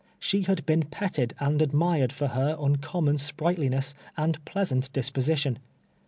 She had been pet ted and admired for her uncommon sprightliness and pleasant disposition.